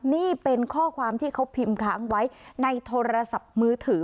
นี่เป็นข้อความที่เขาพิมพ์ค้างไว้ในโทรศัพท์มือถือ